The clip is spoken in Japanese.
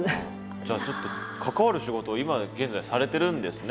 じゃあちょっと関わる仕事を今現在されてるんですね。